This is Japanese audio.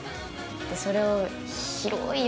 それを。